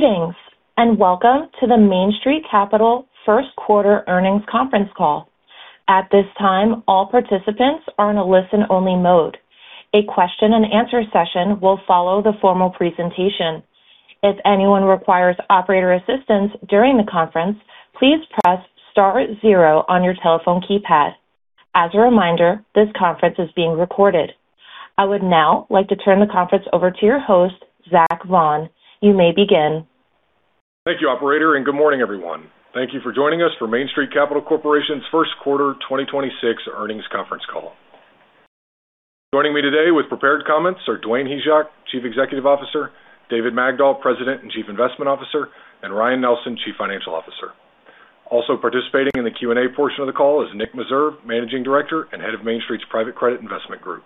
Greetings, and welcome to the Main Street Capital First Quarter Earnings Conference Call. At this time, all participants are in a listen-only mode. A question-and-answer session will follow the formal presentation. If anyone requires operator assistance during the conference, please press star zero on your telephone keypad. As a reminder, this conference is being recorded. I would now like to turn the conference over to your host, Zach Vaughan. You may begin. Thank you, operator. Good morning, everyone. Thank you for joining us for Main Street Capital Corporation's First Quarter 2026 earnings conference call. Joining me today with prepared comments are Dwayne Hyzak, Chief Executive Officer, David Magdol, President and Chief Investment Officer, and Ryan Nelson, Chief Financial Officer. Also participating in the Q&A portion of the call is Nick Meserve, Managing Director and Head of Main Street's Private Credit Investment Group.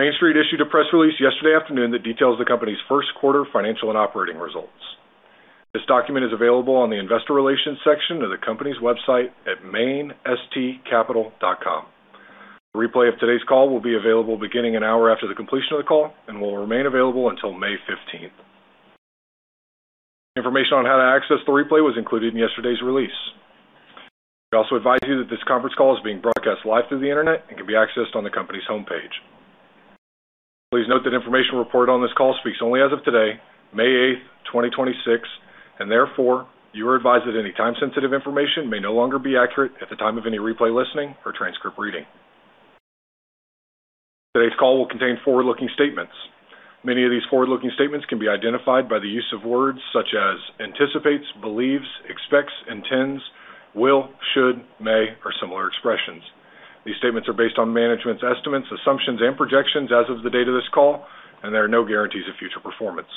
Main Street issued a press release yesterday afternoon that details the company's first quarter financial and operating results. This document is available on the investor relations section of the company's website at mainstcapital.com. The replay of today's call will be available beginning an hour after the completion of the call and will remain available until May 15th. Information on how to access the replay was included in yesterday's release. We also advise you that this conference call is being broadcast live through the Internet and can be accessed on the company's homepage. Please note that information reported on this call speaks only as of today, May eighth, 2026, and therefore, you are advised that any time-sensitive information may no longer be accurate at the time of any replay listening or transcript reading. Today's call will contain forward-looking statements. Many of these forward-looking statements can be identified by the use of words such as anticipates, believes, expects, intends, will, should, may, or similar expressions. These statements are based on management's estimates, assumptions, and projections as of the date of this call, and there are no guarantees of future performance.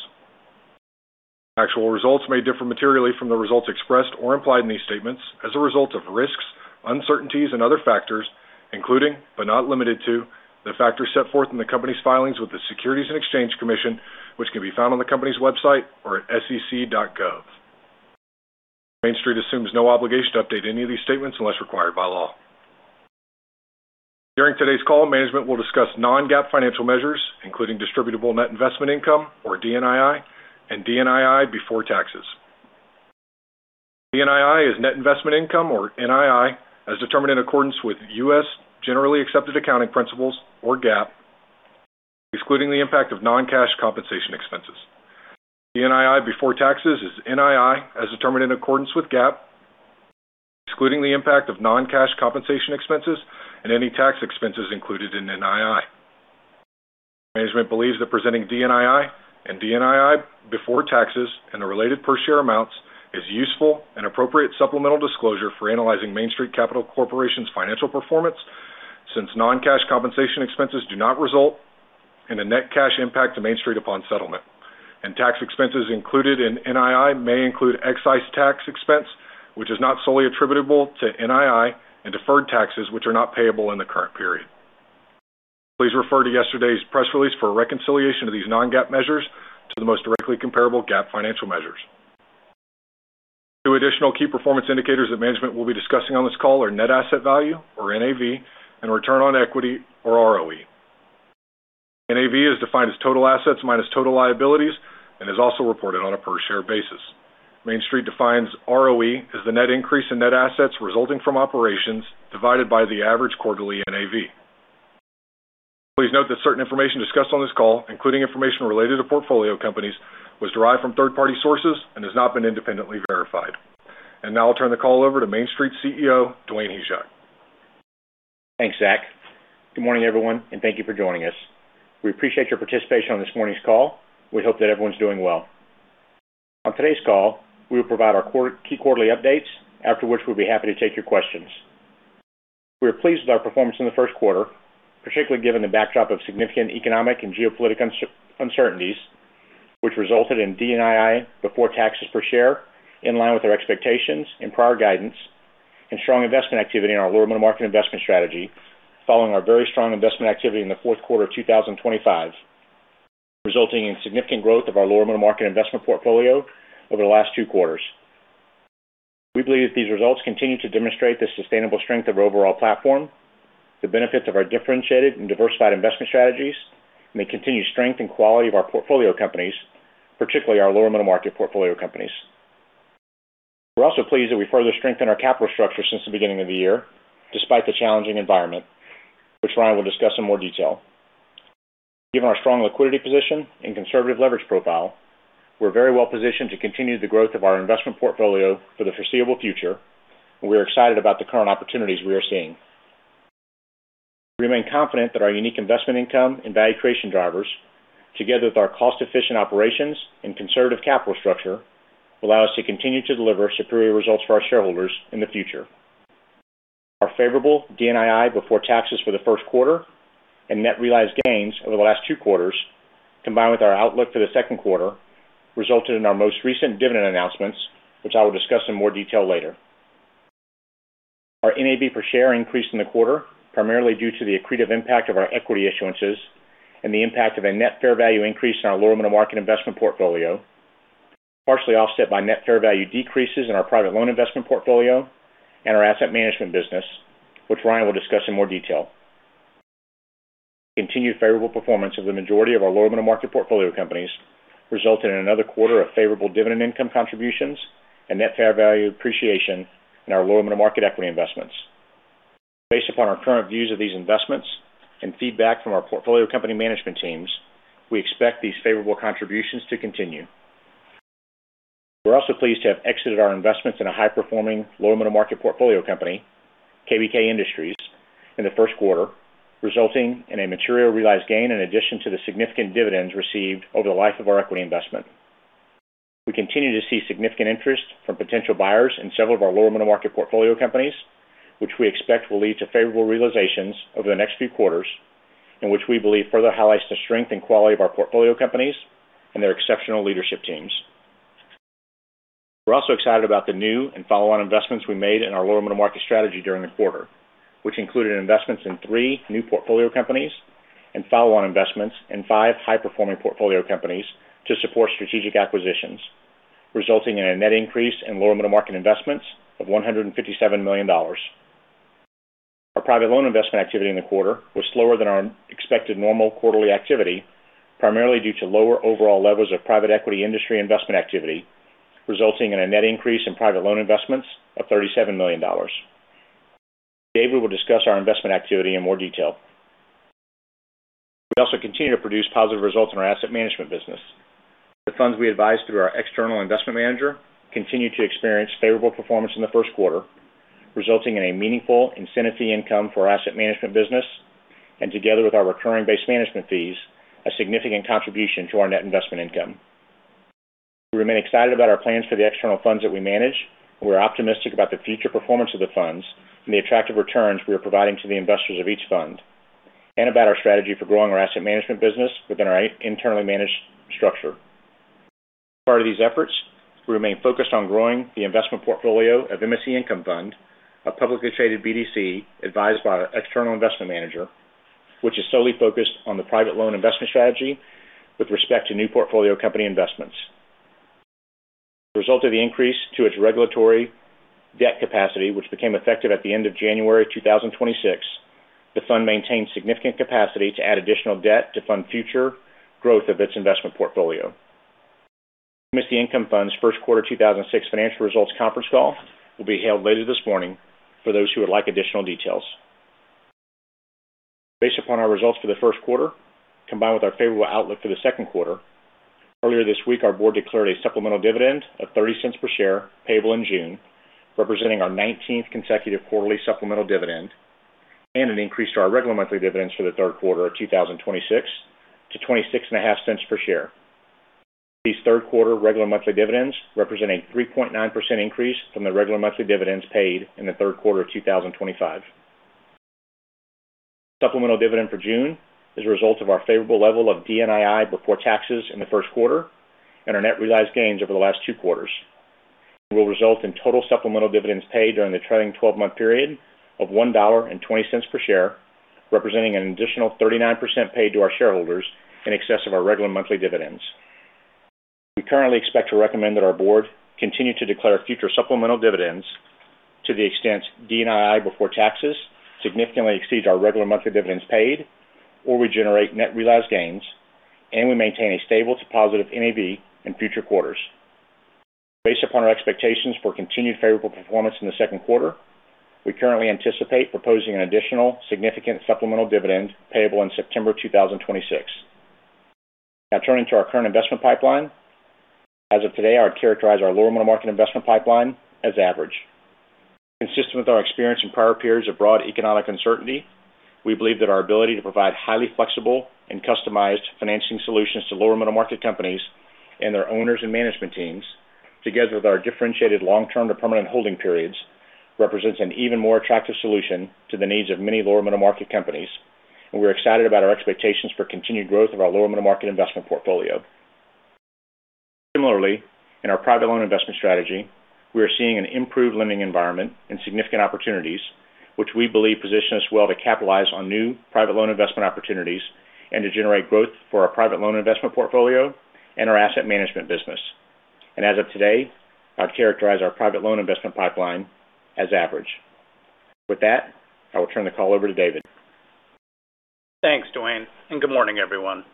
Actual results may differ materially from the results expressed or implied in these statements as a result of risks, uncertainties, and other factors, including, but not limited to, the factors set forth in the company's filings with the Securities and Exchange Commission, which can be found on the company's website or at sec.gov. Main Street assumes no obligation to update any of these statements unless required by law. During today's call, management will discuss non-GAAP financial measures, including distributable net investment income, or DNII, and DNII before taxes. DNII is net investment income or NII, as determined in accordance with U.S. generally accepted accounting principles or GAAP, excluding the impact of non-cash compensation expenses. DNII before taxes is NII as determined in accordance with GAAP, excluding the impact of non-cash compensation expenses and any tax expenses included in NII. Management believes that presenting DNII and DNII before taxes and the related per share amounts is useful and appropriate supplemental disclosure for analyzing Main Street Capital Corporation's financial performance since non-cash compensation expenses do not result in a net cash impact to Main Street upon settlement. Tax expenses included in NII may include excise tax expense, which is not solely attributable to NII and deferred taxes which are not payable in the current period. Please refer to yesterday's press release for a reconciliation of these non-GAAP measures to the most directly comparable GAAP financial measures. Two additional key performance indicators that management will be discussing on this call are net asset value, or NAV, and return on equity, or ROE. NAV is defined as total assets minus total liabilities and is also reported on a per share basis. Main Street defines ROE as the net increase in net assets resulting from operations divided by the average quarterly NAV. Please note that certain information discussed on this call, including information related to portfolio companies, was derived from third-party sources and has not been independently verified. Now I'll turn the call over to Main Street CEO, Dwayne Hyzak. Thanks, Zach. Good morning, everyone, thank you for joining us. We appreciate your participation on this morning's call. We hope that everyone's doing well. On today's call, we will provide our key quarterly updates. After which, we'll be happy to take your questions. We are pleased with our performance in the first quarter, particularly given the backdrop of significant economic and geopolitical uncertainties, which resulted in DNII before taxes per share in line with our expectations and prior guidance and strong investment activity in our lower middle market investment strategy following our very strong investment activity in the fourth quarter of 2025, resulting in significant growth of our lower middle market investment portfolio over the last 2 quarters. We believe that these results continue to demonstrate the sustainable strength of our overall platform, the benefits of our differentiated and diversified investment strategies, and the continued strength and quality of our portfolio companies, particularly our lower middle market portfolio companies. We're also pleased that we further strengthened our capital structure since the beginning of the year, despite the challenging environment, which Ryan will discuss in more detail. Given our strong liquidity position and conservative leverage profile, we're very well positioned to continue the growth of our investment portfolio for the foreseeable future, and we are excited about the current opportunities we are seeing. We remain confident that our unique investment income and value creation drivers, together with our cost-efficient operations and conservative capital structure, allow us to continue to deliver superior results for our shareholders in the future. Our favorable DNII before taxes for the first quarter and net realized gains over the last two quarters, combined with our outlook for the second quarter, resulted in our most recent dividend announcements, which I will discuss in more detail later. Our NAV per share increased in the quarter, primarily due to the accretive impact of our equity issuances and the impact of a net fair value increase in our lower middle market investment portfolio, partially offset by net fair value decreases in our private loan investment portfolio and our asset management business, which Ryan will discuss in more detail. Continued favorable performance of the majority of our lower middle market portfolio companies resulted in another quarter of favorable dividend income contributions and net fair value appreciation in our lower middle market equity investments. Based upon our current views of these investments and feedback from our portfolio company management teams, we expect these favorable contributions to continue. We're also pleased to have exited our investments in a high-performing lower middle market portfolio company, KBK Industries, in the first quarter, resulting in a material realized gain in addition to the significant dividends received over the life of our equity investment. We continue to see significant interest from potential buyers in several of our lower middle market portfolio companies, which we expect will lead to favorable realizations over the next few quarters, and which we believe further highlights the strength and quality of our portfolio companies and their exceptional leadership teams. We're also excited about the new and follow-on investments we made in our lower middle market strategy during the quarter, which included investments in three new portfolio companies and follow-on investments in five high-performing portfolio companies to support strategic acquisitions, resulting in a net increase in lower middle market investments of $157 million. Our private loan investment activity in the quarter was slower than our expected normal quarterly activity, primarily due to lower overall levels of private equity industry investment activity, resulting in a net increase in private loan investments of $37 million. David will discuss our investment activity in more detail. We also continue to produce positive results in our asset management business. The funds we advise through our external investment manager continue to experience favorable performance in the first quarter, resulting in a meaningful incentive fee income for our asset management business, and together with our recurring base management fees, a significant contribution to our net investment income. We remain excited about our plans for the external funds that we manage, and we're optimistic about the future performance of the funds and the attractive returns we are providing to the investors of each fund, and about our strategy for growing our asset management business within our internally managed structure. As part of these efforts, we remain focused on growing the investment portfolio of MSC Income Fund, a publicly traded BDC advised by our external investment manager, which is solely focused on the private loan investment strategy with respect to new portfolio company investments. As a result of the increase to its regulatory debt capacity, which became effective at the end of January 2026, the fund maintained significant capacity to add additional debt to fund future growth of its investment portfolio. MSC Income Fund's first quarter 2026 financial results conference call will be held later this morning for those who would like additional details. Based upon our results for the first quarter, combined with our favorable outlook for the second quarter, earlier this week, our board declared a supplemental dividend of $0.30 per share, payable in June, representing our nineteenth consecutive quarterly supplemental dividend, and an increase to our regular monthly dividends for the third quarter of 2026 to $0.265 per share. These third quarter regular monthly dividends represent a 3.9% increase from the regular monthly dividends paid in the third quarter of 2025. Supplemental dividend for June is a result of our favorable level of DNII before taxes in the first quarter and our net realized gains over the last two quarters. It will result in total supplemental dividends paid during the trailing twelve-month period of $1.20 per share, representing an additional 39% paid to our shareholders in excess of our regular monthly dividends. We currently expect to recommend that our board continue to declare future supplemental dividends to the extent DNII before taxes significantly exceed our regular monthly dividends paid, or we generate net realized gains, and we maintain a stable to positive NAV in future quarters. Based upon our expectations for continued favorable performance in the second quarter, we currently anticipate proposing an additional significant supplemental dividend payable in September 2026. Turning to our current investment pipeline. As of today, I would characterize our lower middle market investment pipeline as average. Consistent with our experience in prior periods of broad economic uncertainty, we believe that our ability to provide highly flexible and customized financing solutions to lower middle market companies and their owners and management teams, together with our differentiated long-term to permanent holding periods, represents an even more attractive solution to the needs of many lower middle market companies, and we're excited about our expectations for continued growth of our lower middle market investment portfolio. Similarly, in our private loan investment strategy, we are seeing an improved lending environment and significant opportunities, which we believe position us well to capitalize on new private loan investment opportunities and to generate growth for our private loan investment portfolio and our asset management business. As of today, I would characterize our private loan investment pipeline as average. With that, I will turn the call over to David. Thanks, Dwayne, and good morning, everyone.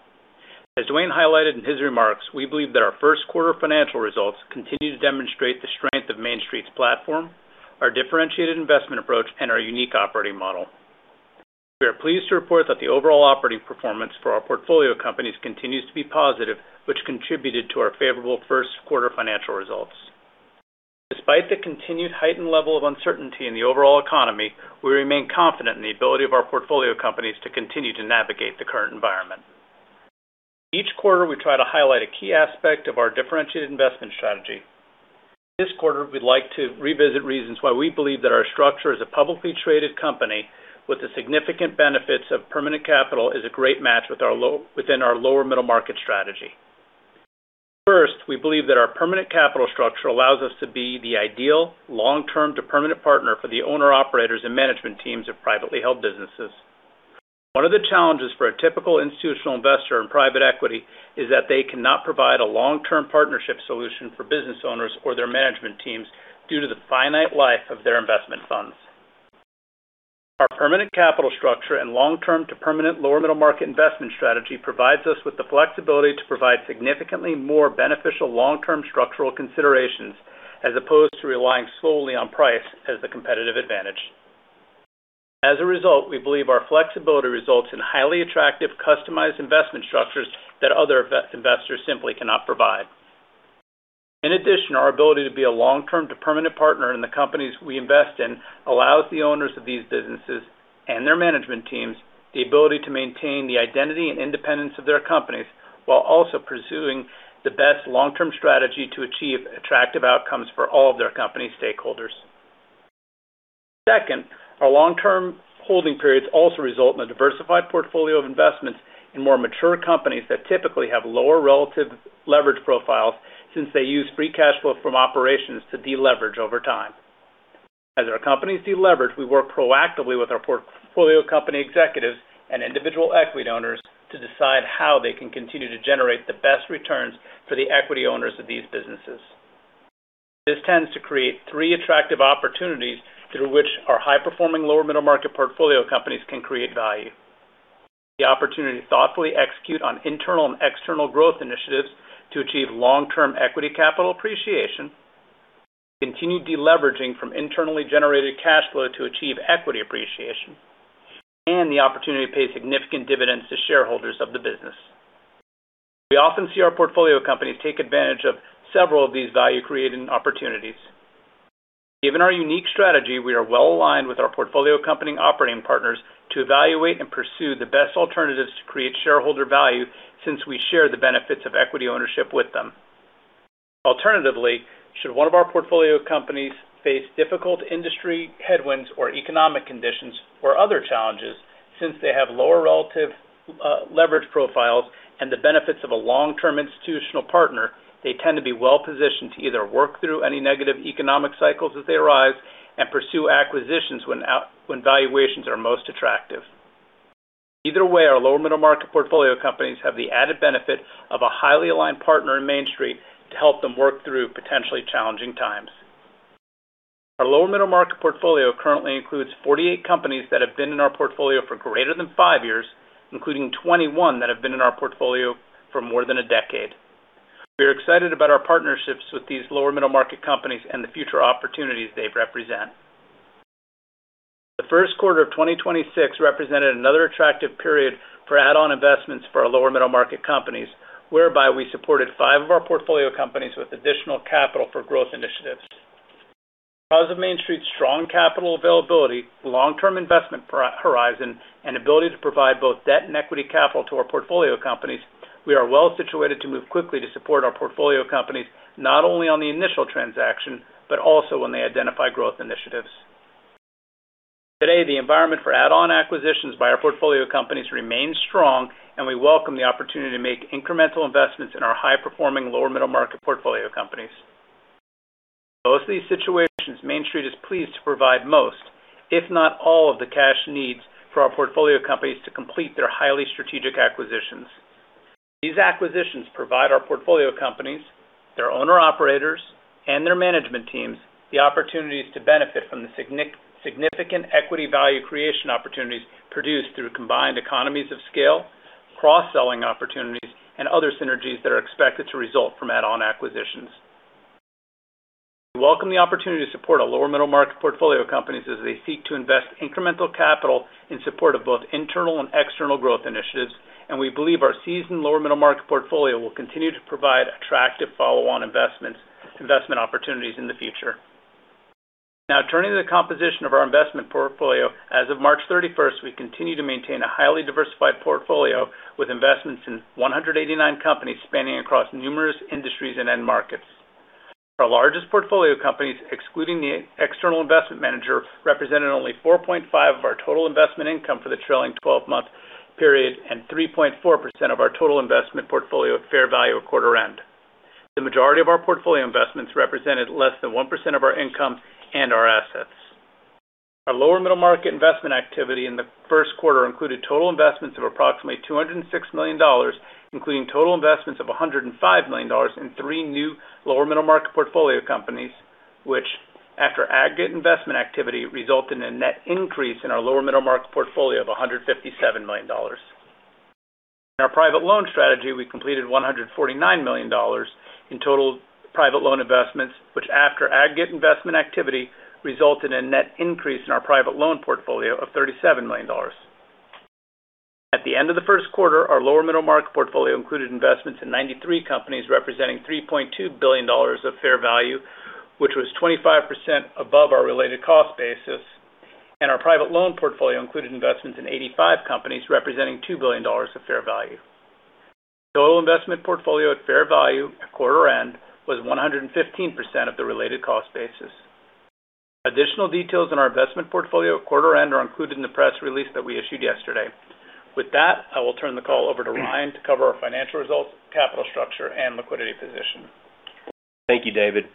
As Dwayne highlighted in his remarks, we believe that our first quarter financial results continue to demonstrate the strength of Main Street's platform, our differentiated investment approach, and our unique operating model. We are pleased to report that the overall operating performance for our portfolio companies continues to be positive, which contributed to our favorable first quarter financial results. Despite the continued heightened level of uncertainty in the overall economy, we remain confident in the ability of our portfolio companies to continue to navigate the current environment. Each quarter, we try to highlight a key aspect of our differentiated investment strategy. This quarter, we'd like to revisit reasons why we believe that our structure as a publicly traded company with the significant benefits of permanent capital is a great match within our lower middle market strategy. First, we believe that our permanent capital structure allows us to be the ideal long-term to permanent partner for the owner-operators and management teams of privately held businesses. One of the challenges for a typical institutional investor in private equity is that they cannot provide a long-term partnership solution for business owners or their management teams due to the finite life of their investment. Our permanent capital structure and long-term to permanent lower middle market investment strategy provides us with the flexibility to provide significantly more beneficial long-term structural considerations as opposed to relying solely on price as the competitive advantage. As a result, we believe our flexibility results in highly attractive customized investment structures that other investors simply cannot provide. Our ability to be a long-term to permanent partner in the companies we invest in allows the owners of these businesses and their management teams the ability to maintain the identity and independence of their companies while also pursuing the best long-term strategy to achieve attractive outcomes for all of their company stakeholders. Our long-term holding periods also result in a diversified portfolio of investments in more mature companies that typically have lower relative leverage profiles since they use free cash flow from operations to deleverage over time. As our companies deleverage, we work proactively with our portfolio company executives and individual equity owners to decide how they can continue to generate the best returns for the equity owners of these businesses. This tends to create three attractive opportunities through which our high-performing lower middle market portfolio companies can create value. The opportunity to thoughtfully execute on internal and external growth initiatives to achieve long-term equity capital appreciation, continue deleveraging from internally generated cash flow to achieve equity appreciation, and the opportunity to pay significant dividends to shareholders of the business. We often see our portfolio companies take advantage of several of these value-creating opportunities. Given our unique strategy, we are well-aligned with our portfolio company operating partners to evaluate and pursue the best alternatives to create shareholder value since we share the benefits of equity ownership with them. Alternatively, should one of our portfolio companies face difficult industry headwinds or economic conditions or other challenges since they have lower relative leverage profiles and the benefits of a long-term institutional partner, they tend to be well-positioned to either work through any negative economic cycles as they arise and pursue acquisitions when valuations are most attractive. Either way, our lower middle market portfolio companies have the added benefit of a highly aligned partner in Main Street to help them work through potentially challenging times. Our lower middle market portfolio currently includes 48 companies that have been in our portfolio for greater than five years, including 21 that have been in our portfolio for more than a decade. We are excited about our partnerships with these lower middle market companies and the future opportunities they represent. The first quarter of 2026 represented another attractive period for add-on investments for our lower middle market companies, whereby we supported 5 of our portfolio companies with additional capital for growth initiatives. Because of Main Street's strong capital availability, long-term investment horizon, and ability to provide both debt and equity capital to our portfolio companies, we are well-situated to move quickly to support our portfolio companies, not only on the initial transaction, but also when they identify growth initiatives. Today, the environment for add-on acquisitions by our portfolio companies remains strong, we welcome the opportunity to make incremental investments in our high-performing lower middle market portfolio companies. In both of these situations, Main Street is pleased to provide most, if not all, of the cash needs for our portfolio companies to complete their highly strategic acquisitions. These acquisitions provide our portfolio companies, their owner-operators, and their management teams the opportunities to benefit from the significant equity value creation opportunities produced through combined economies of scale, cross-selling opportunities, and other synergies that are expected to result from add-on acquisitions. We welcome the opportunity to support our lower middle market portfolio companies as they seek to invest incremental capital in support of both internal and external growth initiatives. We believe our seasoned lower middle market portfolio will continue to provide attractive follow-on investments, investment opportunities in the future. Turning to the composition of our investment portfolio. As of March 31st, we continue to maintain a highly diversified portfolio with investments in 189 companies spanning across numerous industries and end markets. Our largest portfolio companies, excluding the external investment manager, represented only 4.5% of our total investment income for the trailing 12-month period and 3.4% of our total investment portfolio at fair value at quarter end. The majority of our portfolio investments represented less than 1% of our income and our assets. Our lower middle market investment activity in the first quarter included total investments of approximately $206 million, including total investments of $105 million in three new lower middle market portfolio companies, which after aggregate investment activity, result in a net increase in our lower middle market portfolio of $157 million. In our private loan strategy, we completed $149 million in total private loan investments, which after aggregate investment activity, resulted in net increase in our private loan portfolio of $37 million. At the end of the first quarter, our lower middle market portfolio included investments in 93 companies, representing $3.2 billion of fair value, which was 25% above our related cost basis. Our private loan portfolio included investments in 85 companies, representing $2 billion of fair value. Total investment portfolio at fair value at quarter end was 115% of the related cost basis. Additional details in our investment portfolio at quarter end are included in the press release that we issued yesterday. With that, I will turn the call over to Ryan to cover our financial results, capital structure, and liquidity position. Thank you, David.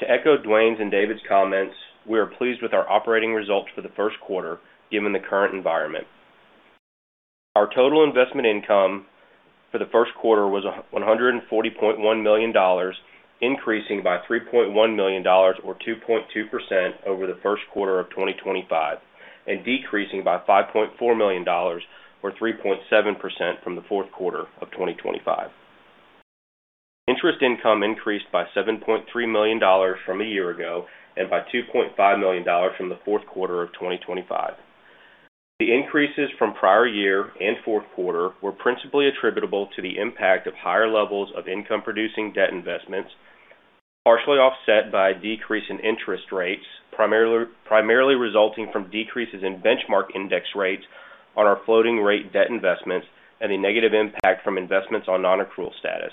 To echo Dwayne's and David's comments, we are pleased with our operating results for the first quarter given the current environment. Our total investment income for the first quarter was $140.1 million, increasing by $3.1 million or 2.2% over the first quarter of 2025, and decreasing by $5.4 million or 3.7% from the fourth quarter of 2025. Interest income increased by $7.3 million from a year ago and by $2.5 million from the fourth quarter of 2025. The increases from prior year and fourth quarter were principally attributable to the impact of higher levels of income producing debt investments, partially offset by a decrease in interest rates primarily resulting from decreases in benchmark index rates on our floating rate debt investments and a negative impact from investments on non-accrual status.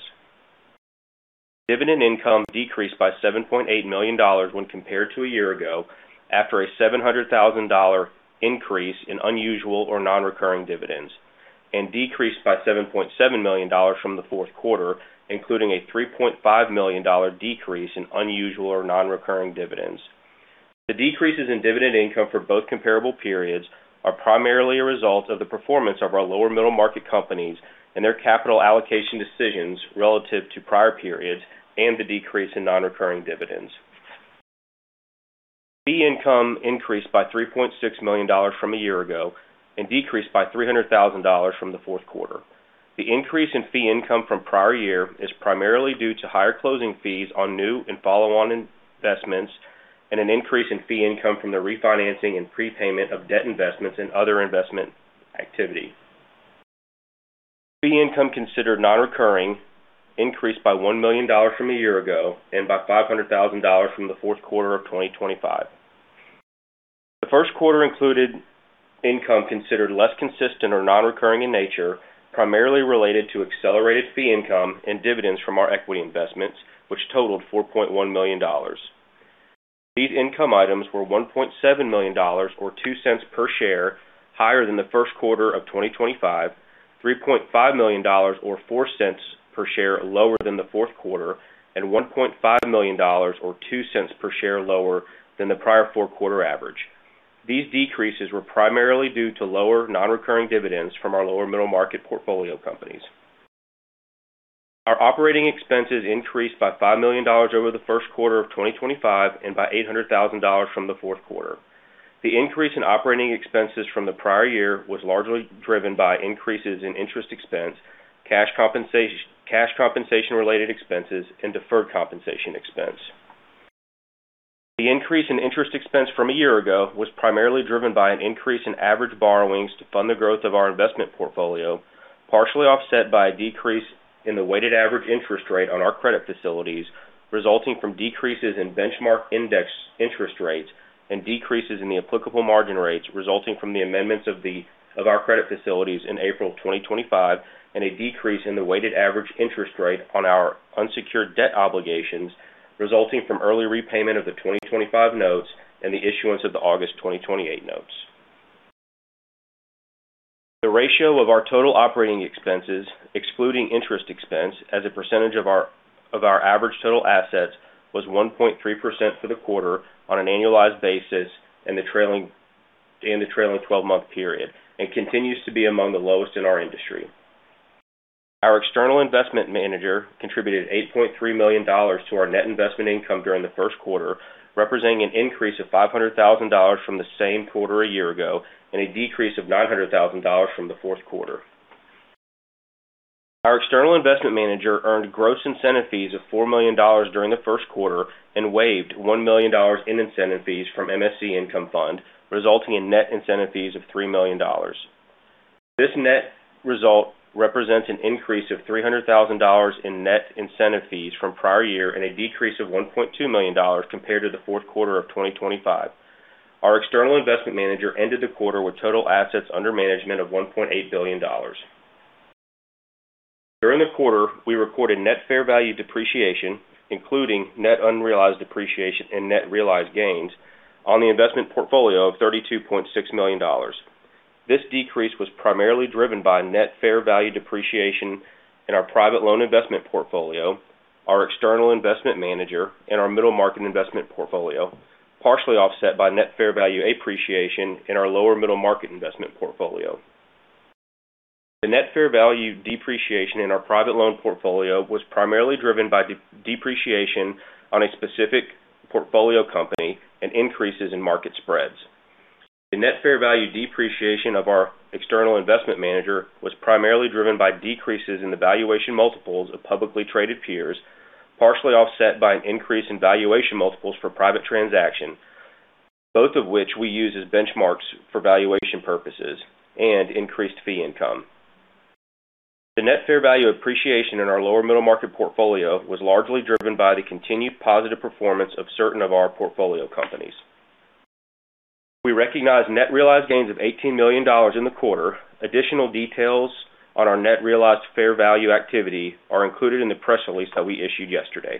Dividend income decreased by $7.8 million when compared to a year ago after a $700,000 increase in unusual or non-recurring dividends, and decreased by $7.7 million from the fourth quarter, including a $3.5 million decrease in unusual or non-recurring dividends. The decreases in dividend income for both comparable periods are primarily a result of the performance of our lower middle market companies and their capital allocation decisions relative to prior periods and the decrease in non-recurring dividends. Fee income increased by $3.6 million from a year ago and decreased by $300,000 from the fourth quarter. The increase in fee income from prior year is primarily due to higher closing fees on new and follow-on investments and an increase in fee income from the refinancing and prepayment of debt investments and other investment activity. Fee income considered non-recurring increased by $1 million from a year ago and by $500,000 from the fourth quarter of 2025. The first quarter included income considered less consistent or non-recurring in nature, primarily related to accelerated fee income and dividends from our equity investments, which totaled $4.1 million. These income items were $1.7 million or $0.02 per share higher than the first quarter of 2025, $3.5 million or $0.04 per share lower than the fourth quarter, and $1.5 million or $0.02 per share lower than the prior four-quarter average. These decreases were primarily due to lower non-recurring dividends from our lower middle market portfolio companies. Our operating expenses increased by $5 million over the first quarter of 2025 and by $800,000 from the fourth quarter. The increase in operating expenses from the prior year was largely driven by increases in interest expense, cash compensation related expenses, and deferred compensation expense. The increase in interest expense from a year ago was primarily driven by an increase in average borrowings to fund the growth of our investment portfolio, partially offset by a decrease in the weighted average interest rate on our credit facilities, resulting from decreases in benchmark index interest rates and decreases in the applicable margin rates resulting from the amendments of our credit facilities in April 2025, and a decrease in the weighted average interest rate on our unsecured debt obligations resulting from early repayment of the 2025 notes and the issuance of the August 2028 notes. The ratio of our total operating expenses, excluding interest expense as a percentage of our average total assets was 1.3% for the quarter on an annualized basis in the trailing twelve-month period and continues to be among the lowest in our industry. Our external investment manager contributed $8.3 million to our net investment income during the first quarter, representing an increase of $500,000 from the same quarter a year ago and a decrease of $900,000 from the fourth quarter. Our external investment manager earned gross incentive fees of $4 million during the first quarter and waived $1 million in incentive fees from MSC Income Fund, resulting in net incentive fees of $3 million. This net result represents an increase of $300,000 in net incentive fees from prior year and a decrease of $1.2 million compared to the fourth quarter of 2025. Our external investment manager ended the quarter with total assets under management of $1.8 billion. During the quarter, we recorded net fair value depreciation, including net unrealized depreciation and net realized gains on the investment portfolio of $32.6 million. This decrease was primarily driven by net fair value depreciation in our private loan investment portfolio, our external investment manager, and our middle market investment portfolio, partially offset by net fair value appreciation in our lower middle market investment portfolio. The net fair value depreciation in our private loan portfolio was primarily driven by depreciation on a specific portfolio company and increases in market spreads. The net fair value depreciation of our external investment manager was primarily driven by decreases in the valuation multiples of publicly traded peers, partially offset by an increase in valuation multiples for private transaction, both of which we use as benchmarks for valuation purposes and increased fee income. The net fair value appreciation in our lower middle market portfolio was largely driven by the continued positive performance of certain of our portfolio companies. We recognized net realized gains of $18 million in the quarter. Additional details on our net realized fair value activity are included in the press release that we issued yesterday.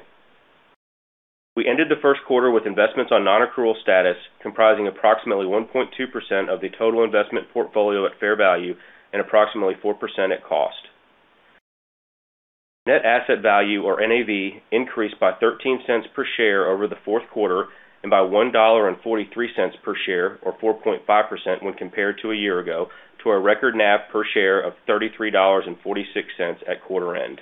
We ended the first quarter with investments on non-accrual status, comprising approximately 1.2% of the total investment portfolio at fair value and approximately 4% at cost. Net asset value or NAV increased by $0.13 per share over the fourth quarter and by $1.43 per share, or 4.5% when compared to a year ago, to a record NAV per share of $33.46 at quarter end.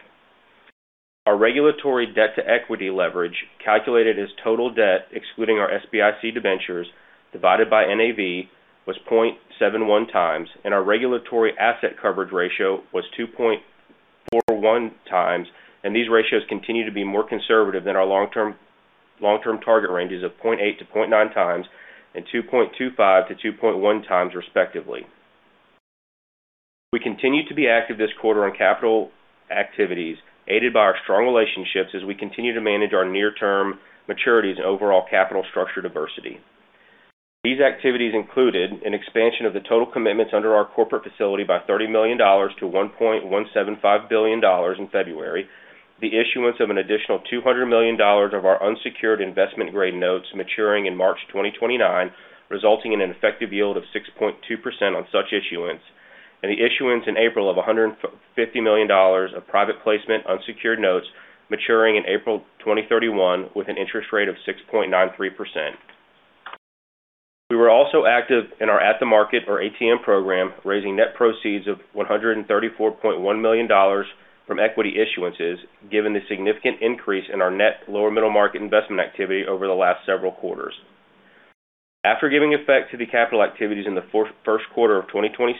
Our regulatory debt to equity leverage, calculated as total debt, excluding our SBIC debentures, divided by NAV, was 0.71 times, our regulatory asset coverage ratio was 2.41x. These ratios continue to be more conservative than our long-term target ranges of 0.8-0.9x and 2.25-2.1x respectively. We continued to be active this quarter on capital activities, aided by our strong relationships as we continue to manage our near-term maturities and overall capital structure diversity. These activities included an expansion of the total commitments under our corporate facility by $30 million to $1.175 billion in February, the issuance of an additional $200 million of our unsecured investment-grade notes maturing in March 2029, resulting in an effective yield of 6.2% on such issuance, and the issuance in April of $150 million of private placement unsecured notes maturing in April 2031 with an interest rate of 6.93%. We were also active in our at-the-market or ATM program, raising net proceeds of $134.1 million from equity issuances, given the significant increase in our net lower middle market investment activity over the last several quarters. After giving effect to the capital activities in the first quarter of 2026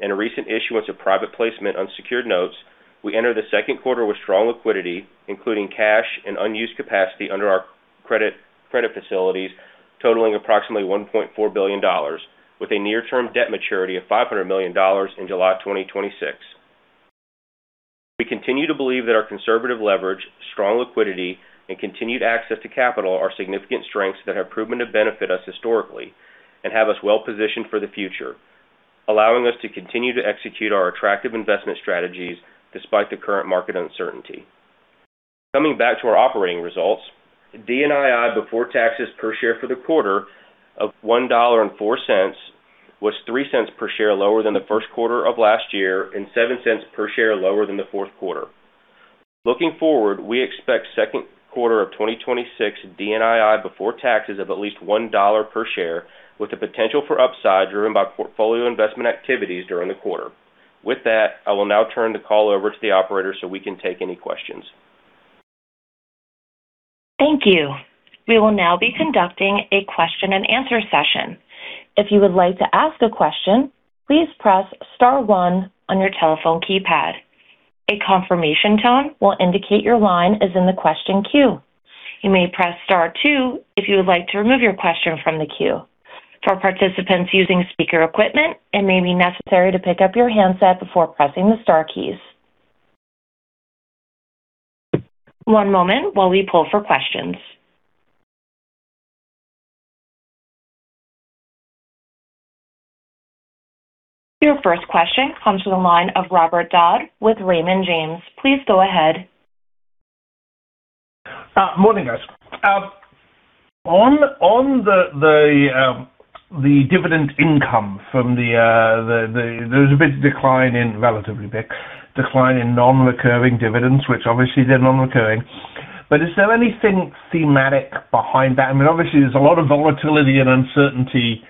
and a recent issuance of private placement unsecured notes, we enter the second quarter with strong liquidity, including cash and unused capacity under our credit facilities totaling approximately $1.4 billion, with a near-term debt maturity of $500 million in July 2026. We continue to believe that our conservative leverage, strong liquidity, and continued access to capital are significant strengths that have proven to benefit us historically and have us well positioned for the future, allowing us to continue to execute our attractive investment strategies despite the current market uncertainty. Coming back to our operating results, DNII before taxes per share for the quarter of $1.04 was $0.03 per share lower than the first quarter of last year and $0.07 per share lower than the fourth quarter. Looking forward, we expect second quarter of 2026 DNII before taxes of at least $1.00 per share, with the potential for upside driven by portfolio investment activities during the quarter. With that, I will now turn the call over to the operator so we can take any questions. Thank you. We will now be conducting a question and answer session. If you would like to ask a question, please press star one on your telephone keypad. A confirmation tone will indicate your line is in the question queue. You may press star two if you would like to remove your question from the queue. For participants using speaker equipment, it may be necessary to pick up your handset before pressing the star keys. One moment while we pull for questions. Your first question comes to the line of Robert Dodd with Raymond James. Please go ahead. Morning, guys. On the dividend income from there was a big decline in, relatively big decline in non-recurring dividends, which obviously they're non-recurring. Is there anything thematic behind that? I mean, obviously, there's a lot of volatility and uncertainty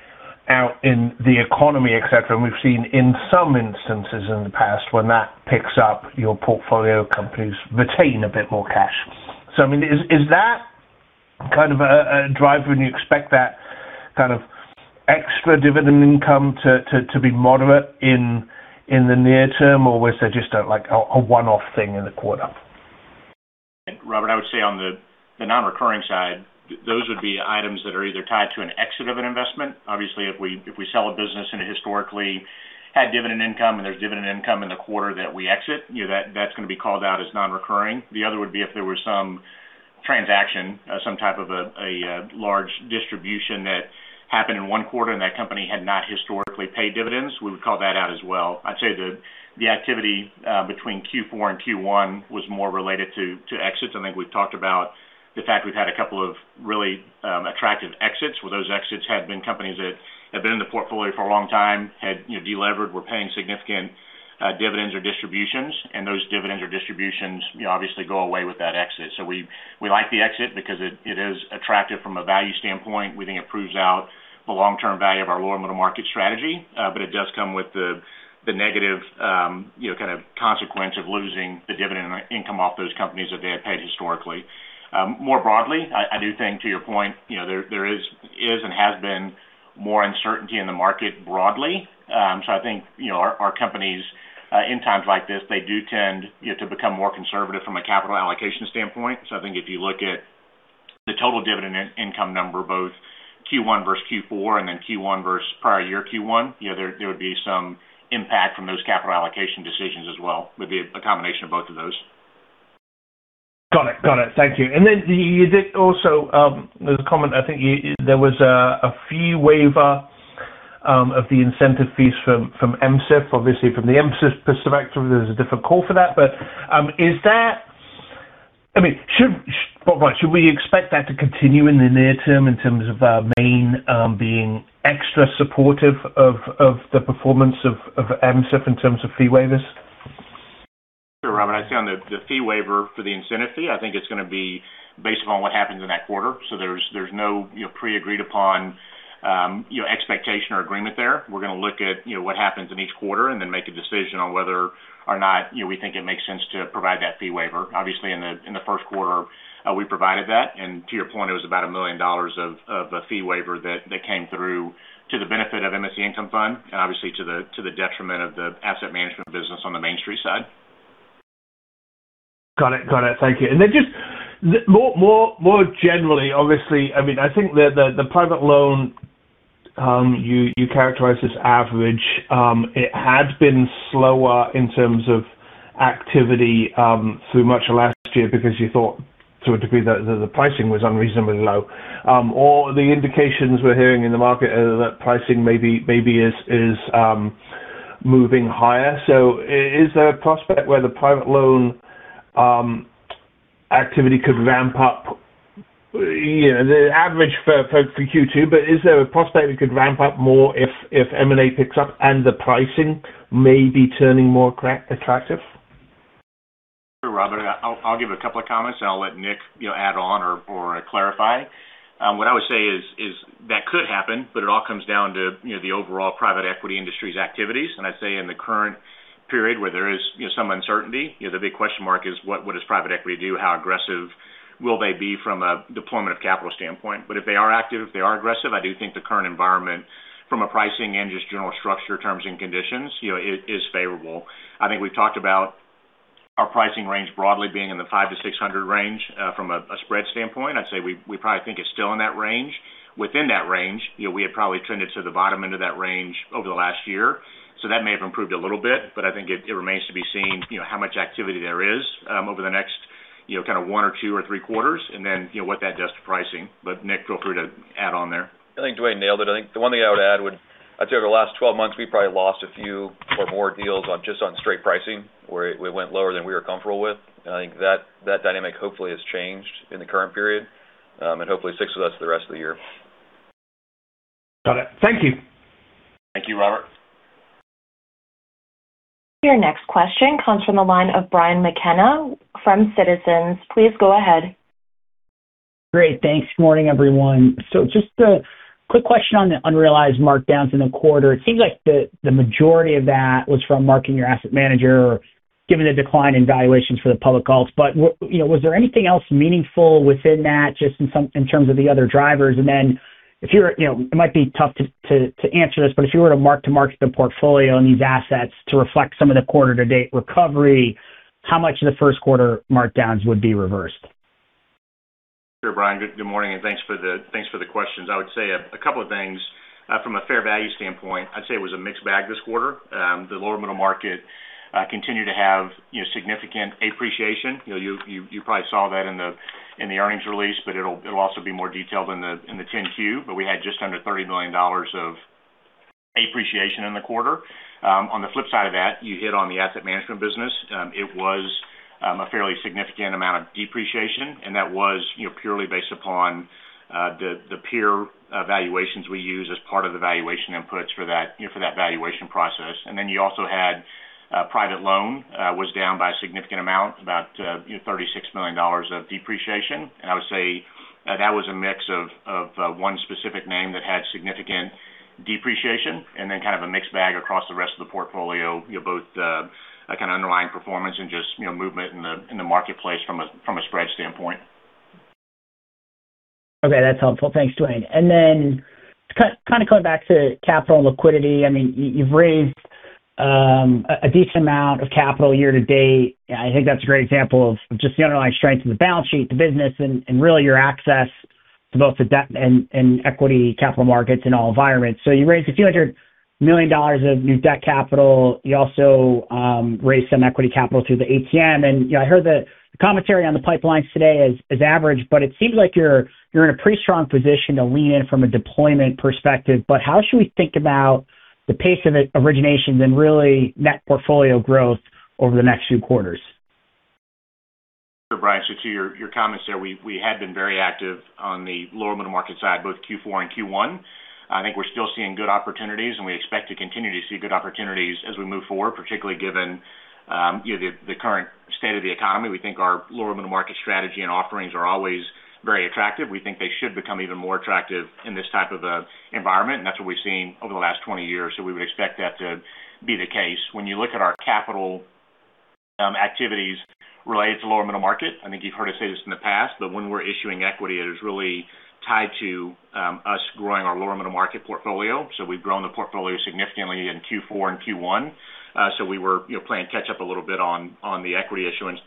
out in the economy, et cetera. We've seen in some instances in the past, when that picks up, your portfolio companies retain a bit more cash. I mean, is that kind of a driver? Do you expect that kind of extra dividend income to be moderate in the near term, or was there just a, like, a one-off thing in the quarter? Robert, I would say on the non-recurring side, those would be items that are either tied to an exit of an investment. Obviously, if we sell a business and it historically had dividend income and there's dividend income in the quarter that we exit, you know, that's going to be called out as non-recurring. The other would be if there was some transaction, some type of a large distribution that happened in one quarter and that company had not historically paid dividends. We would call that out as well. I'd say the activity, between Q4 and Q1 was more related to exits. I think we've talked about the fact we've had a couple of really attractive exits, where those exits had been companies that had been in the portfolio for a long time, had, you know, delevered, were paying significant dividends or distributions, and those dividends or distributions, you know, obviously go away with that exit. We like the exit because it is attractive from a value standpoint. We think it proves out the long-term value of our lower middle market strategy. It does come with the negative, you know, kind of consequence of losing the dividend income off those companies that they had paid historically. More broadly, I do think to your point, you know, there is and has been more uncertainty in the market broadly. I think, you know, our companies, in times like this, they do tend, you know, to become more conservative from a capital allocation standpoint. I think if you look at the total dividend income number, both Q1 versus Q4 and then Q1 versus prior year Q1, you know, there would be some impact from those capital allocation decisions as well. Would be a combination of both of those. Got it. Got it. Thank you. You did also, there's a comment, I think there was a fee waiver of the incentive fees from [MSCLF]. Obviously, from the MSC perspective, there's a different call for that. I mean, Robert, should we expect that to continue in the near term in terms of Main being extra supportive of the performance of [MSC] in terms of fee waivers? Sure, Robert. I'd say on the fee waiver for the incentive fee, I think it's going to be based upon what happens in that quarter. There's no, you know, pre-agreed upon, you know, expectation or agreement there. We're going to look at, you know, what happens in each quarter and then make a decision on whether or not, you know, we think it makes sense to provide that fee waiver. Obviously, in the first quarter, we provided that, and to your point, it was about $1 million of a fee waiver that came through to the benefit of MSC Income Fund and obviously to the detriment of the asset management business on the Main Street side. Got it. Got it. Thank you. Then just more generally, obviously, I mean, I think the private loan you characterized as average. It had been slower in terms of activity through much of last year because you thought to a degree that the pricing was unreasonably low. The indications we're hearing in the market are that pricing maybe is moving higher. Is there a prospect where the private loan activity could ramp up, you know, the average for Q2, but is there a prospect it could ramp up more if M&A picks up and the pricing may be turning more attractive? Sure, Robert. I'll give a couple of comments, and I'll let Nick, you know, add on or clarify. What I would say is that could happen, but it all comes down to, you know, the overall private equity industry's activities. I'd say in the current period where there is, you know, some uncertainty, you know, the big question mark is what does private equity do? How aggressive will they be from a deployment of capital standpoint? If they are active, if they are aggressive, I do think the current environment from a pricing and just general structure terms and conditions, you know, is favorable. I think we've talked about our pricing range broadly being in the 500-600 range from a spread standpoint. I'd say we probably think it's still in that range. Within that range, you know, we had probably trended to the bottom end of that range over the last year. That may have improved a little bit, but I think it remains to be seen, you know, how much activity there is over the next, you know, kind of 1 or 2 or 3 quarters and then, you know, what that does to pricing. Nick, feel free to add on there. I think Dwayne nailed it. I think the one thing I would add would, I'd say over the last 12 months, we probably lost a few or more deals on just on straight pricing, where we went lower than we were comfortable with. I think that dynamic hopefully has changed in the current period, and hopefully sticks with us the rest of the year. Got it. Thank you. Thank you, Robert. Your next question comes from the line of Brian McKenna from Citizens. Please go ahead. Great. Thanks. Morning, everyone. Just a quick question on the unrealized markdowns in the quarter. It seems like the majority of that was from marking your asset manager given the decline in valuations for the public calls. You know, was there anything else meaningful within that just in terms of the other drivers? You know, it might be tough to answer this, but if you were to mark-to-market the portfolio and these assets to reflect some of the quarter to date recovery, how much of the first quarter markdowns would be reversed? Sure, Brian. Good morning, and thanks for the questions. I would say a couple of things. From a fair value standpoint, I'd say it was a mixed bag this quarter. The lower middle market continued to have, you know, significant appreciation. You know, you probably saw that in the earnings release, but it'll also be more detailed in the 10-Q. We had just under $30 million of appreciation in the quarter. On the flip side of that, you hit on the asset management business. It was a fairly significant amount of depreciation, and that was, you know, purely based upon the peer valuations we use as part of the valuation inputs for that valuation process. You also had private loan was down by a significant amount, about, you know, $36 million of depreciation. I would say that was a mix of one specific name that had significant depreciation and then kind of a mixed bag across the rest of the portfolio, you know, both kind of underlying performance and just, you know, movement in the, in the marketplace from a, from a spread standpoint. Okay, that's helpful. Thanks, Dwayne. Kind of going back to capital and liquidity. I mean, you've raised a decent amount of capital year to date. I think that's a great example of just the underlying strength of the balance sheet, the business and really your access to both the debt and equity capital markets in all environments. You raised a few hundred million dollars of new debt capital. You also raised some equity capital through the ATM. You know, I heard the commentary on the pipelines today is average, but it seems like you're in a pretty strong position to lean in from a deployment perspective. How should we think about the pace of originations and really net portfolio growth over the next few quarters? Sure, Brian. To your comments there, we had been very active on the lower middle market side, both Q4 and Q1. I think we're still seeing good opportunities, and we expect to continue to see good opportunities as we move forward, particularly given, you know, the current state of the economy. We think our lower middle market strategy and offerings are always very attractive. We think they should become even more attractive in this type of a environment, and that's what we've seen over the last 20 years. We would expect that to be the case. When you look at our capital activities related to lower middle market, I think you've heard us say this in the past, but when we're issuing equity, it is really tied to us growing our lower middle market portfolio. We've grown the portfolio significantly in Q4 and Q1. We were, you know, playing catch up a little bit on the equity issuance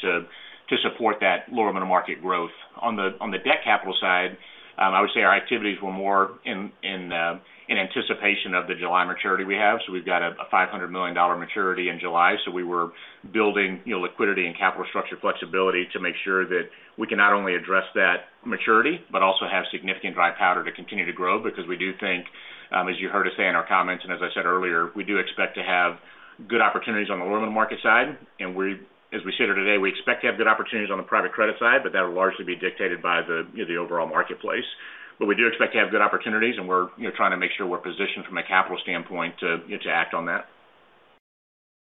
to support that lower middle market growth. On the debt capital side, I would say our activities were more in anticipation of the July maturity we have. We've got a $500 million maturity in July. We were building, you know, liquidity and capital structure flexibility to make sure that we can not only address that maturity, but also have significant dry powder to continue to grow because we do think, as you heard us say in our comments and as I said earlier, we do expect to have good opportunities on the lower middle market side. As we sit here today, we expect to have good opportunities on the private credit side, but that will largely be dictated by the, you know, the overall marketplace. We do expect to have good opportunities, and we're, you know, trying to make sure we're positioned from a capital standpoint to, you know, to act on that.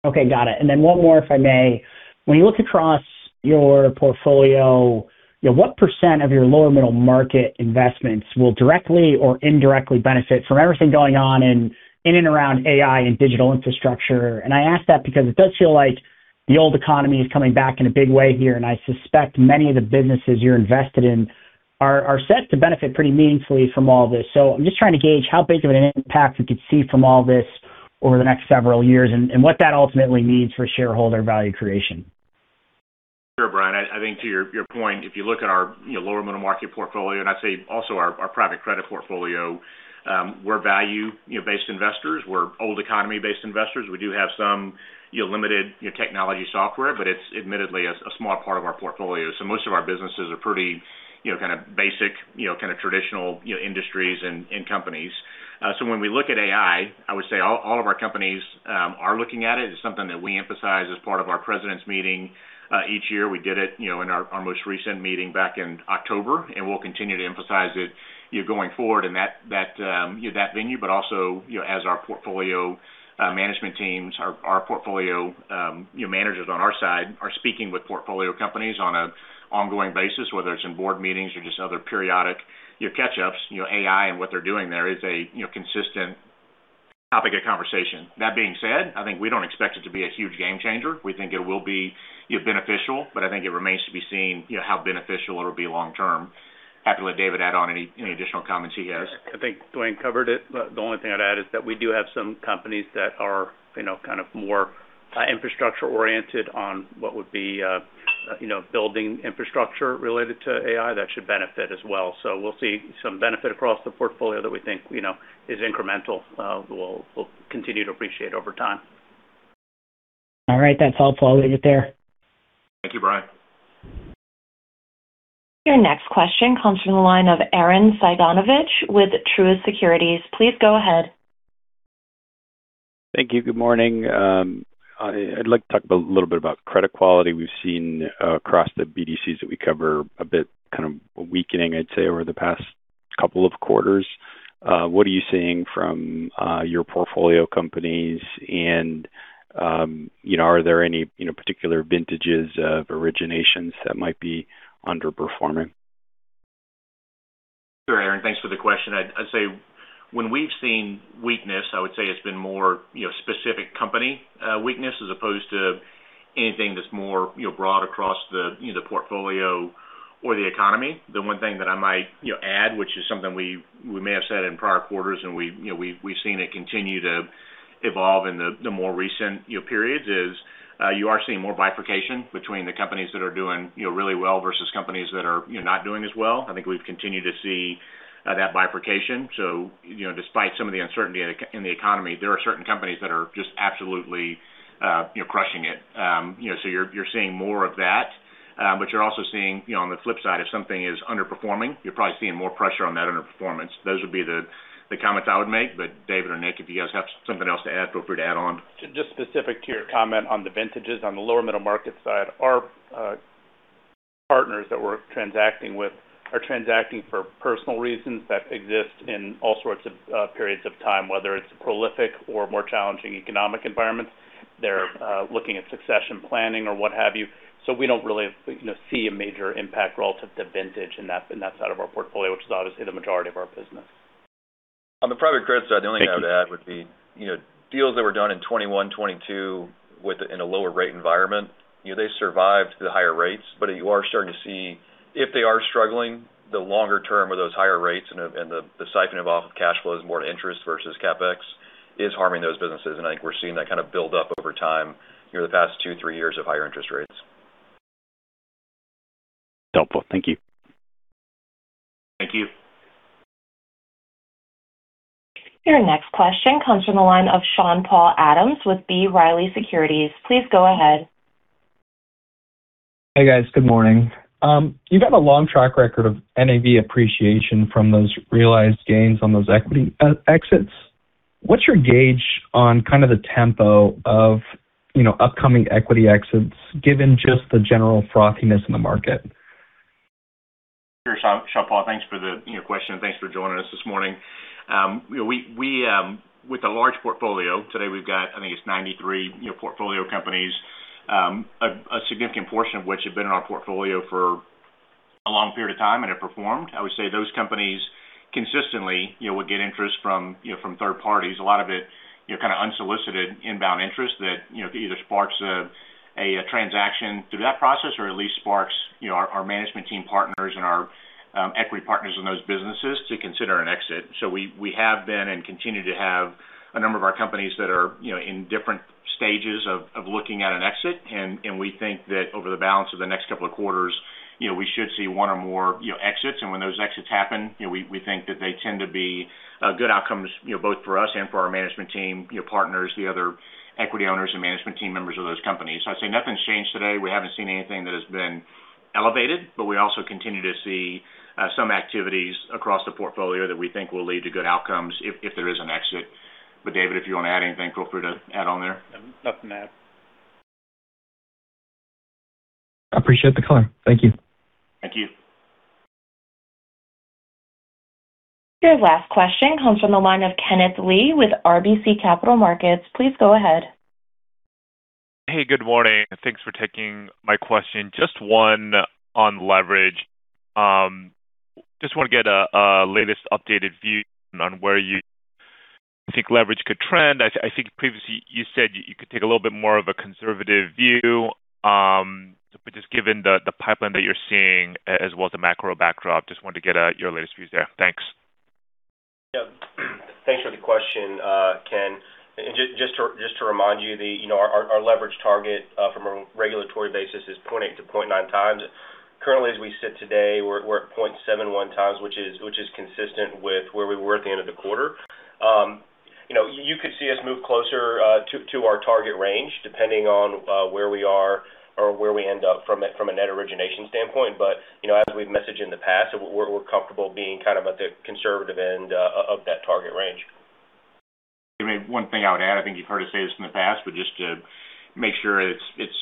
Okay, got it. Then one more, if I may. When you look across your portfolio, you know, what percent of your lower middle market investments will directly or indirectly benefit from everything going on in and around AI and digital infrastructure? I ask that because it does feel like the old economy is coming back in a big way here, and I suspect many of the businesses you're invested in are set to benefit pretty meaningfully from all this. I'm just trying to gauge how big of an impact we could see from all this over the next several years and what that ultimately means for shareholder value creation. Sure, Brian. I think to your point, if you look at our, you know, lower middle market portfolio, and I'd say also our private credit portfolio, we're value, you know, based investors. We're old economy-based investors. We do have some, you know, limited, you know, technology software, but it's admittedly a small part of our portfolio. Most of our businesses are pretty, you know, kind of basic, you know, kind of traditional, you know, industries and companies. When we look at AI, I would say all of our companies are looking at it. It's something that we emphasize as part of our president's meeting each year. We did it, you know, in our most recent meeting back in October, we'll continue to emphasize it, you know, going forward in that, you know, that venue. Also, you know, as our portfolio management teams, our portfolio, you know, managers on our side are speaking with portfolio companies on a ongoing basis, whether it's in board meetings or just other periodic, you know, catch-ups. You know, AI and what they're doing there is a, you know, consistent topic of conversation. That being said, I think we don't expect it to be a huge game changer. We think it will be, you know, beneficial, but I think it remains to be seen, you know, how beneficial it'll be long term. Happy to let David add on any additional comments he has. I think Dwayne covered it. The only thing I'd add is that we do have some companies that are, you know, kind of more infrastructure oriented on what would be, you know, building infrastructure related to AI that should benefit as well. We'll see some benefit across the portfolio that we think, you know, is incremental, we'll continue to appreciate over time. All right. That's helpful. I'll leave it there. Thank you, Brian. Your next question comes from the line of Arren Cyganovich with Truist Securities. Please go ahead. Thank you. Good morning. I'd like to talk about a little bit about credit quality. We've seen across the BDCs that we cover a bit, kind of, a weakening, I'd say, over the past 2 quarters. What are you seeing from your portfolio companies? You know, are there any, you know, particular vintages of originations that might be underperforming? Sure, Arren. Thanks for the question. I'd say when we've seen weakness, I would say it's been more, you know, specific company weakness as opposed to anything that's more, you know, broad across the, you know, the portfolio or the economy. The one thing that I might, you know, add, which is something we may have said in prior quarters and we, you know, we've seen it continue to evolve in the more recent, you know, periods is, you are seeing more bifurcation between the companies that are doing, you know, really well versus companies that are, you know, not doing as well. I think we've continued to see that bifurcation. You know, despite some of the uncertainty in the economy, there are certain companies that are just absolutely, you know, crushing it. You know, you're seeing more of that. You're also seeing, you know, on the flip side, if something is underperforming, you're probably seeing more pressure on that underperformance. Those would be the comments I would make. David or Nick, if you guys have something else to add, feel free to add on. Just specific to your comment on the vintages. On the lower middle market side, our partners that we're transacting with are transacting for personal reasons that exist in all sorts of periods of time, whether it's prolific or more challenging economic environments. They're looking at succession planning or what have you. We don't really, you know, see a major impact relative to vintage in that, in that side of our portfolio, which is obviously the majority of our business. On the private credit side, the only thing I would add would be, you know, deals that were done in 2021, 2022 in a lower rate environment, you know, they survived the higher rates. You are starting to see if they are struggling, the longer term of those higher rates and the siphoning off of cash flows more to interest versus CapEx is harming those businesses. I think we're seeing that kind of build up over time, you know, the past two, three years of higher interest rates. Helpful. Thank you. Thank you. Your next question comes from the line of Sean-Paul Adams with B. Riley Securities. Please go ahead. Hey, guys. Good morning. You got a long track record of NAV appreciation from those realized gains on those equity exits. What's your gauge on kind of the tempo of, you know, upcoming equity exits given just the general frothiness in the market? Sure, Sean-Paul. Thanks for the, you know, question, and thanks for joining us this morning. You know, we, with a large portfolio, today we've got, I think it's 93, you know, portfolio companies, a significant portion of which have been in our portfolio for a long period of time and have performed. I would say those companies consistently, you know, would get interest from third parties. A lot of it, you know, kind of unsolicited inbound interest that, you know, either sparks a transaction through that process or at least sparks, you know, our management team partners and our equity partners in those businesses to consider an exit. We have been and continue to have a number of our companies that are, you know, in different stages of looking at an exit. We think that over the balance of the next 2 quarters, you know, we should see one or more, you know, exits. When those exits happen, you know, we think that they tend to be good outcomes, you know, both for us and for our management team, you know, partners, the other equity owners and management team members of those companies. I'd say nothing's changed today. We haven't seen anything that has been elevated, but we also continue to see some activities across the portfolio that we think will lead to good outcomes if there is an exit. David, if you want to add anything, feel free to add on there. Nothing to add. Appreciate the color. Thank you. Thank you. Your last question comes from the line of Kenneth Lee with RBC Capital Markets. Please go ahead. Hey, good morning, and thanks for taking my question. Just one on leverage. Just want to get a latest updated view on where you think leverage could trend. I think previously you said you could take a little bit more of a conservative view. Just given the pipeline that you're seeing as well as the macro backdrop, just wanted to get your latest views there. Thanks. Thanks for the question, Ken. Just to remind you know, our leverage target from a regulatory basis is 0.8 to 0.9x. Currently, as we sit today, we're at 0.71 times, which is consistent with where we were at the end of the quarter. You know, you could see us move closer to our target range depending on where we are or where we end up from a net origination standpoint. You know, as we've messaged in the past, we're comfortable being kind of at the conservative end of that target range. I mean, one thing I would add, I think you've heard us say this in the past, but just to make sure it's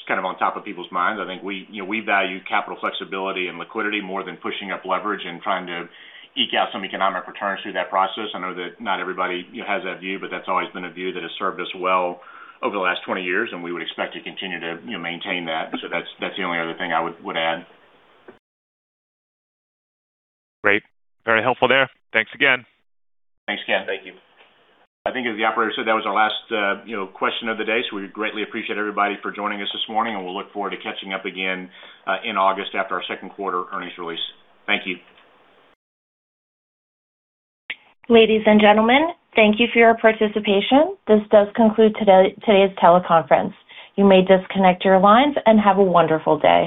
kind of on top of people's minds. I think we, you know, we value capital flexibility and liquidity more than pushing up leverage and trying to eke out some economic returns through that process. I know that not everybody, you know, has that view, but that's always been a view that has served us well over the last 20 years, and we would expect to continue to, you know, maintain that. That's the only other thing I would add. Great. Very helpful there. Thanks again. Thanks, Ken. Thank you. I think as the operator said, that was our last, you know, question of the day. We greatly appreciate everybody for joining us this morning, and we'll look forward to catching up again in August after our second quarter earnings release. Thank you. Ladies and gentlemen, thank you for your participation. This does conclude today's teleconference. You may disconnect your lines, and have a wonderful day.